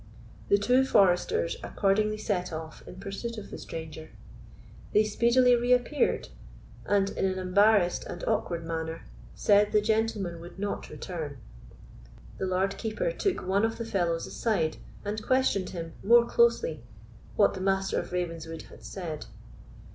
The two foresters accordingly set off in pursuit of the stranger. They speedily reappeared, and, in an embarrassed and awkward manner, said the gentleman would not return. The Lord Keeper took one of the fellows aside, and questioned him more closely what the Master of Ravenswood had said.